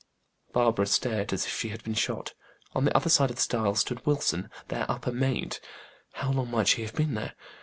Barbara started as if she had been shot. On the other side of the stile stood Wilson, their upper maid. How long might she have been there?